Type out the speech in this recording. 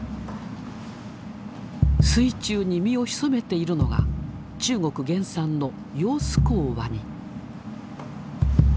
水中に身を潜めているのが中国原産のヨウスコウワニ。